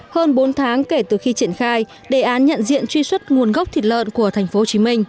hơn bốn tháng kể từ khi triển khai đề án nhận diện truy xuất nguồn gốc thịt lợn của tp hcm